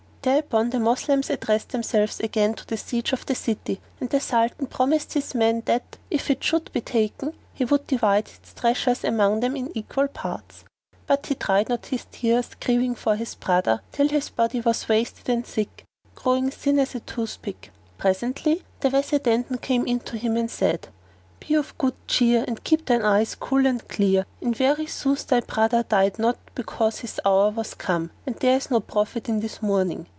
Thereupon the Moslems addressed themselves again to the siege of the city and the Sultan promised his men that, if it should be taken, he would divide its treasures among them in equal parts. But he dried not his tears grieving for his brother till his body was wasted and sick, growing thin as a tooth pick. Presently the Wazir Dandan came in to him and said, "Be of good cheer and keep thine eyes cool and clear; in very sooth thy brother died not but because his hour was come, and there is no profit in this mourning.